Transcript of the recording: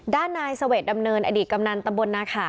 ด้านนายเสวดดำเนินอดีตกำนันตำบลนาขา